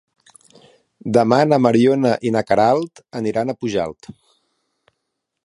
Demà na Mariona i na Queralt aniran a Pujalt.